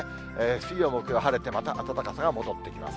水曜、木曜晴れて、また暖かさが戻ってきます。